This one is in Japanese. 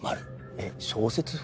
えっ小説風？